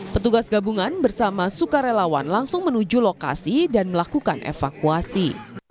petugas gabungan bersama sukarelawan langsung menuju lokasi dan melakukan evakuasi